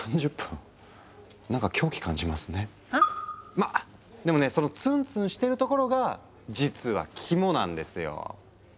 まあでもねそのツンツンしてるところが実はキモなんですよ。